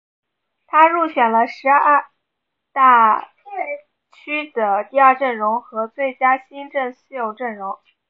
他入选了大十二区的第二阵容和最佳新秀阵容。